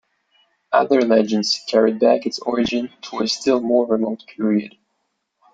Other legends carried back its origin to a still more remote period.